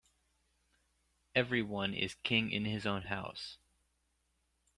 Every one is king in his own house.